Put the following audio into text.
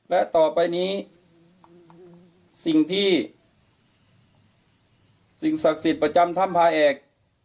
และต่อไปนี้สิ่งที่สิ่งศักดิ์สิทธิ์ประจำถ้ำพาเอก